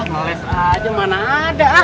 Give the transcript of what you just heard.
males aja mana ada